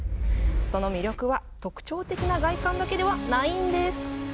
その魅力は特徴的な外観だけではないんです。